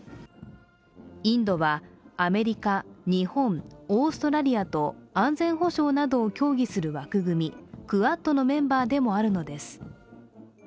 インドは、アメリカ、日本、オーストラリアと安全保障などを協議する枠組みクアッドのメンバーでもあるのです。